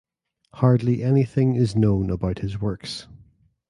Hardly anything is known about his works.